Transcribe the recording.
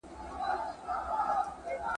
ایوب خان وویل: غازیان دي راټول سي.